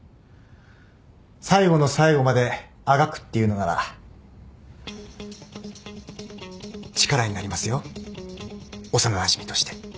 最後の最後まであがくっていうのなら力になりますよ幼なじみとして。